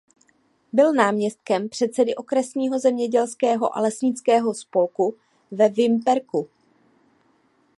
Byl náměstkem předsedy "Okresního zemědělského a lesnického spolku" ve Vimperku.